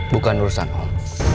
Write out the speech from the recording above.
bukan urusan om